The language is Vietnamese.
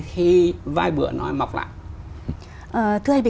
thì vài bữa nói mọc lại